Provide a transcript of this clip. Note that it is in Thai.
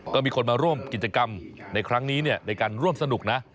ก็มีคนมาร่วมกิจกรรมในครั้งนี้ในการร่วมสนุกนะ